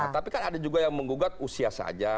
tapi kan ada juga yang menggugat usia saja